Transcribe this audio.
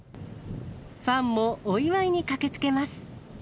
ファンもお祝いに駆けつけます。